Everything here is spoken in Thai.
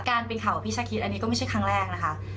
การเป็นข่าวกับพี่ชาคิดอันนี้ก็ไม่ใช่ครั้งแรกนะคะ